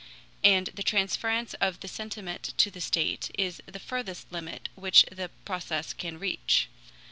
And the transference of the sentiment to the state is the furthest limit which the process can reach.